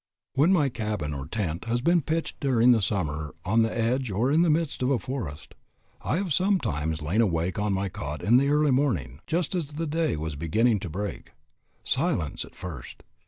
When my cabin or tent has been pitched during the summer on the edge or in the midst of a forest, I have sometimes lain awake on my cot in the early morning, just as the day was beginning to break. Silence at first.